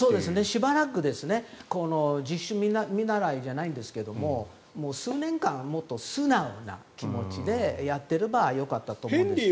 しばらく、実習見習いじゃないんですけど数年間はもっと素直な気持ちでやってればよかったと思います。